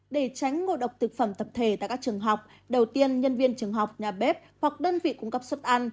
để tránh ngộ độc thực phẩm tập thể tại các trường học đầu tiên nhân viên trường học nhà bếp hoặc đơn vị cung cấp suất ăn